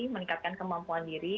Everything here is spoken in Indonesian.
meningkatkan kemampuan diri